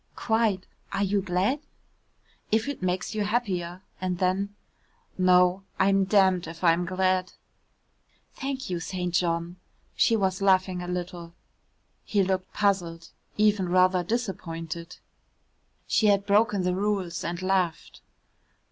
"Quite are you glad?" "If it makes you happier," and then, "No, I'm damned if I'm glad." "Thank you, St. John," she was laughing a little. He looked puzzled, even rather disappointed. She had broken the rules and laughed.